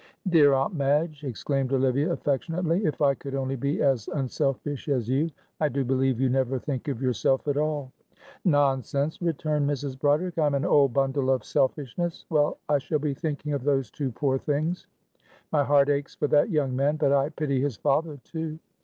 "Dear Aunt Madge!" exclaimed Olivia, affectionately. "If I could only be as unselfish as you. I do believe you never think of yourself at all." "Nonsense," returned Mrs. Broderick, "I am an old bundle of selfishness. Well, I shall be thinking of those two poor things. My heart aches for that young man, but I pity his father, too.